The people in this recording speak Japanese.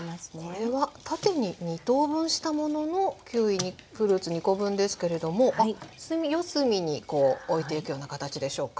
これは縦に２等分したもののキウイフルーツ２コ分ですけれども四隅においていくような形でしょうか。